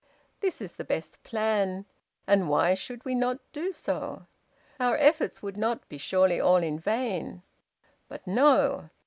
This is the best plan; and why should we not do so? Our efforts would not be surely all in vain. But no!